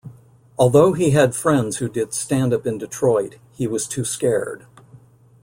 Although he had friends who did stand-up in Detroit, he was too scared.